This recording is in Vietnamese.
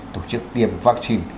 tổ chức tiêm vaccine